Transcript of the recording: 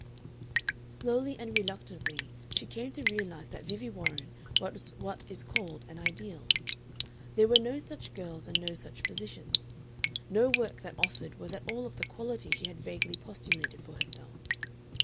Slowly and reluctantly she came to realize that Vivie Warren was what is called an "ideal." There were no such girls and no such positions. No work that offered was at all of the quality she had vaguely postulated for herself.